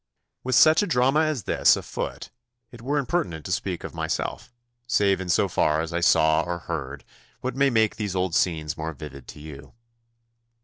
With such a drama as this afoot it were impertinent to speak of myself, save in so far as I saw or heard what may make these old scenes more vivid to you.